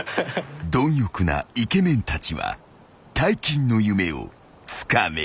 ［貪欲なイケメンたちは大金の夢をつかめるか？］